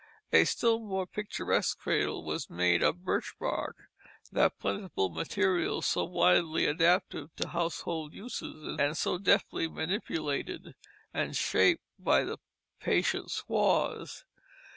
A still more picturesque cradle was made of birch bark, that plentiful material so widely adaptive to household uses, and so deftly manipulated and shaped by the patient squaws.